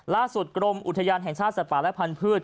ล่าสุดกรมอุทยานแห่งชาติสัตว์ป่าและพันธุ์พืช